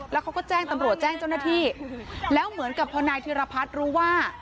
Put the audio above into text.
แล้วเขาก็แจ้งตำรวจแจ้งเจ้าหน้าที่แล้วเหมือนกับพอนายธิรพัฒน์รู้ว่า